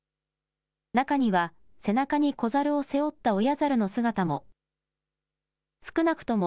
中には、背中に子ザルを背負った親ザルの姿も。